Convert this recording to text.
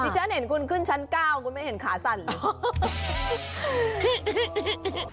ฉันเห็นคุณขึ้นชั้น๙คุณไม่เห็นขาสั่นเลย